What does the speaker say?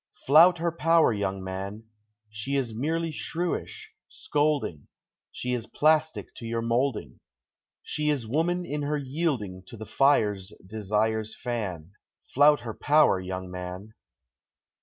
Flout her power, young man! She is merely shrewish, scolding, She is plastic to your molding, She is woman in her yielding to the fires desires fan. Flout her power, young man!